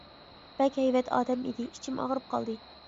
بەك ھەيۋەت ئادەم ئىدى، ئىچىم ئاغرىپ قالدى.